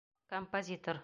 Композитор!